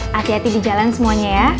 hati hati di jalan semuanya ya